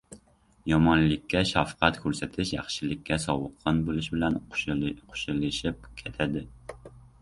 Yomonlikka shafqat ko‘rsatish yaxshilikka sovuqqon bo‘lish bilan qo‘shilishib ketadi.